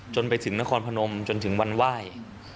จนไปถึงนครพนมจนถึงวันไหว้